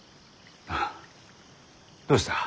あどうした？